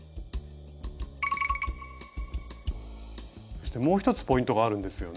そしてもう一つポイントがあるんですよね？